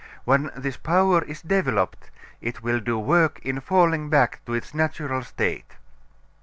When this power is developed it will do work in falling back to its natural state.